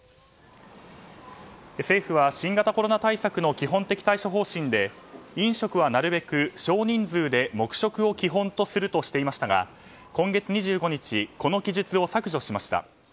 政府は新型コロナ対策の基本的対処方針で飲食はなるべく少人数で黙食を基本とするとしていましたが今月２５日この記述を削除しました。